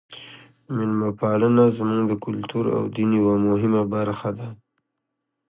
میلمه پالنه زموږ د کلتور او دین یوه مهمه برخه ده.